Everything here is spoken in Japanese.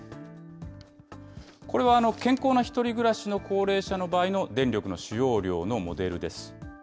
これは健康な１人暮らしの高齢者の場合の電力の使用量のモデルです。